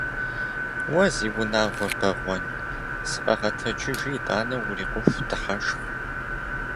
Уэ зи унэр бэгъуэн! Сыкъэгъэтэджыжи итӏанэ урикъуху дыхьэшх!